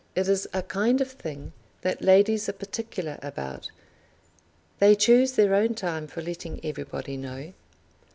It is a kind of thing that ladies are particular about. They choose their own time for letting everybody know."